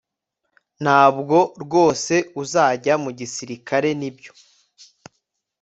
ntabwo rwose uzajya mu gisirikare, nibyo